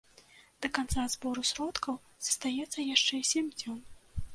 Да канца збору сродкаў застаецца яшчэ сем дзён.